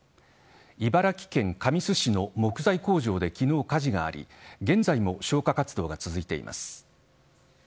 茨城県神栖市の木材工場で昨日、火事があり現在も消火活動が続いています。